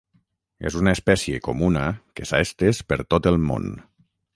És una espècie comuna que s'ha estès per tot el món.